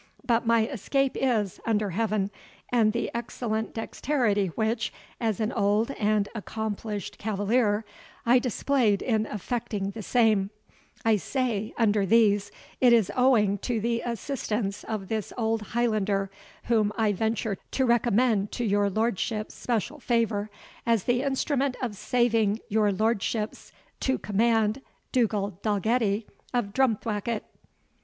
But my escape is, under Heaven, and the excellent dexterity which, as an old and accomplished cavalier, I displayed in effecting the same, I say, under these, it is owing to the assistance of this old Highlander, whom I venture to recommend to your lordship's special favour, as the instrument of saving your lordship's to command, Dugald Dalgetty of Drumthwacket."